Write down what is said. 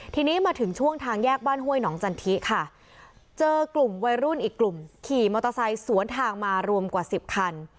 ทีนี้มาถึงช่วงทางแยกบ้านห้วยหนองจันทิค่ะเจอกลุ่มวัยรุ่นอีกกลุ่มขี่มอเตอร์ไซค์สวนทางมารวมกว่าสิบคัน